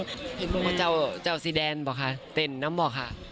เห็นบ้างว่าเจ้าซีแดนบ่ะคะเต้นน้ำบ่ะคะ